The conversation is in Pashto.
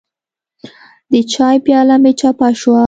د چای پیاله مې چپه شوه.